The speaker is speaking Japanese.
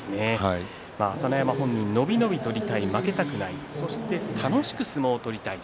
朝乃山本人伸び伸び取りたい、負けたくないそして楽しく相撲を取りたい